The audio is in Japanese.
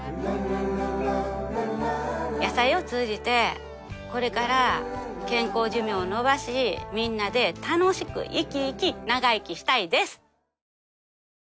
野菜を通じてこれから健康寿命を延ばしみんなで楽しく生き生き長生きしたいです。